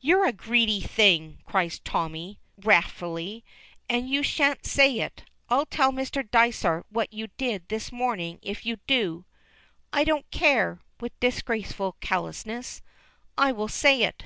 "You're a greedy thing," cries Tommy, wrathfully, "and you shan't say it. I'll tell Mr. Dysart what you did this morning if you do." "I don't care," with disgraceful callousness. "I will say it."